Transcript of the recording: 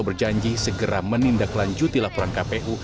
berjanji segera menindaklanjuti laporan kpu